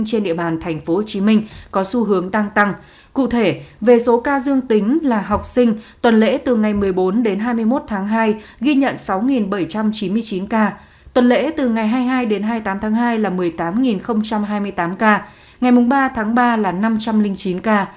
trên địa bàn tp hcm có xu hướng tăng cụ thể về số ca dương tính là học sinh tuần lễ từ ngày một mươi bốn đến hai mươi một tháng hai ghi nhận sáu bảy trăm chín mươi chín ca tuần lễ từ ngày hai mươi hai đến hai mươi tám tháng hai là một mươi tám hai mươi tám ca ngày ba tháng ba là năm trăm linh chín ca